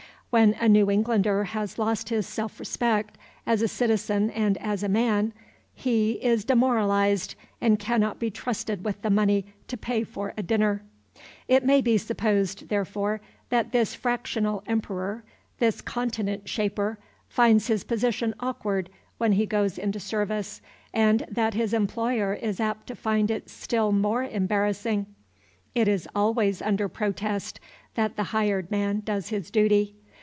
When a New Englander has lost his self respect as a citizen and as a man, he is demoralized, and cannot be trusted with the money to pay for a dinner. It may be supposed, therefore, that this fractional emperor, this continent shaper, finds his position awkward when he goes into service, and that his employer is apt to find it still more embarrassing. It is always under protest that the hired man does his duty.